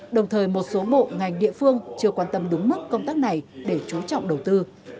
đồng thời một số bộ ngành địa phương chưa quan tâm đúng mức công tác này để chú trọng đầu tư